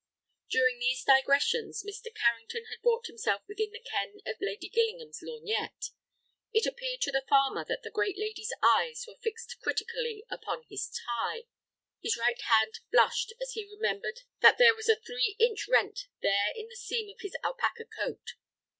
During these digressions Mr. Carrington had brought himself within the ken of Lady Gillingham's lorgnette. It appeared to the farmer that the great lady's eyes were fixed critically upon his tie. His right shoulder blushed as he remembered that there was a three inch rent there in the seam of his alpaca coat.